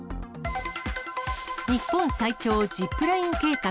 日本最長ジップライン計画。